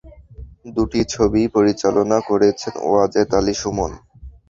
দুটি ছবিই পরিচালনা করেছেন ওয়াজেদ আলী সুমন।